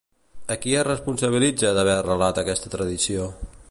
A qui es responsabilitza d'haver arrelat aquesta tradició?